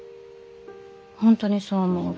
本当にそう思うが？